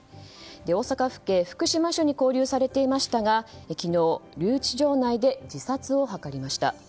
大阪府警福島署に勾留されていましたが昨日、留置場内で自殺を図りました。